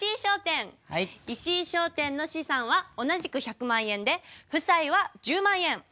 石井商店の資産は同じく１００万円で負債は１０万円。